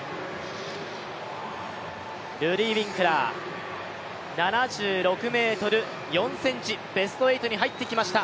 ルディー・ウィンクラー７６ｍ４ｃｍ、ベスト８に入ってきました。